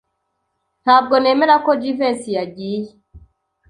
Ntabwo nemera ko Jivency yagiye.